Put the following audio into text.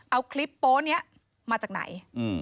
เอาคลิปโป๊นี้มาจากไหน